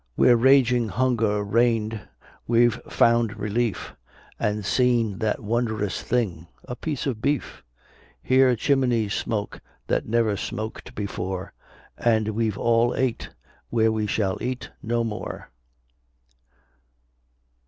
Where raging hunger reign'd we've found relief, And seen that wondrous thing, a piece of beef. Here chimneys smoke, that never smok'd before, And we've all ate, where we shall eat no more!